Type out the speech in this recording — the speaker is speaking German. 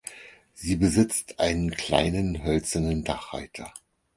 Sie besitzt einen kleinen hölzernen Dachreiter.